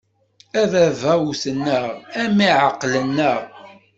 A baba wwten-aɣ, a mmi ɛeqlen-aɣ.